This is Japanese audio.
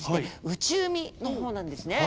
内海のほうなんですね。